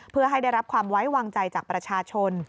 เพื่อให้ได้รับความไว้วางใจจากประชาชน